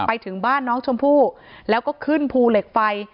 ไปถึงบ้านน้องชมพู่แล้วก็ขึ้นภูเหล็กไฟ